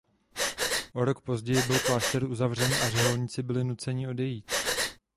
O rok později byl klášter uzavřen a řeholníci byli nuceni odejít.